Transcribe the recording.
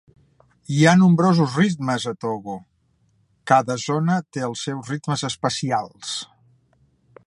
Hi ha nombrosos ritmes a Togo: cada zona té els seus ritmes especials.